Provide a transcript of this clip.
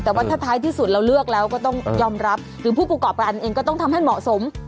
แต่ว่าถ้าท้ายที่สุดเราเลือกแล้วก็ต้องยอมรับคือผู้ประกอบการเองก็ต้องทำให้เหมาะสม